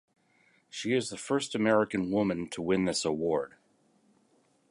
She is the first American woman to win this award.